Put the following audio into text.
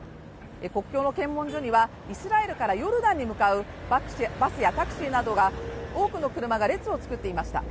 国境の検問所にはイスラエルからヨルダンに向かうバスやタクシーなど多くの車が列を作っていました。